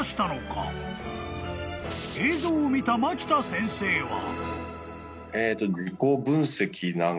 ［映像を見た牧田先生は］